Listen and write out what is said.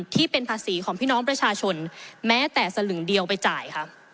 ที่เป็นภาษีของพี่น้องประชาชนแม้แต่สลึงเดียวไปจ่ายค่ะ